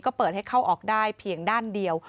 ก็เปิดให้เข้าออกได้เพียงด้านเดียว